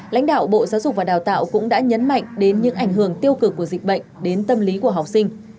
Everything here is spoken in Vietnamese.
lãnh đạo bộ giáo dục và đào tạo cũng đã nhấn mạnh đến những ảnh hưởng tiêu cực của dịch bệnh đến tâm lý của học sinh